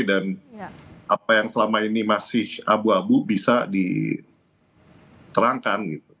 dan apa yang selama ini masih abu abu bisa diterangkan